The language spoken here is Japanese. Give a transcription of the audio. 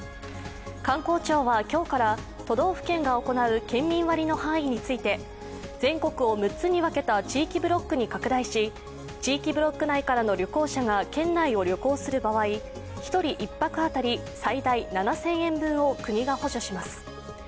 観光庁は今日から都道府県が行う県民割の範囲について全国を６つに分けた地域ブロックに拡大し地域ブロック内からの旅行者が県内を旅行する場合、１人１泊当たり最大７０００円分を国が補助します。